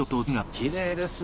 きれいですね。